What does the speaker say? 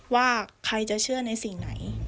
ว่าใครจะเชื่อในสิ่งไหน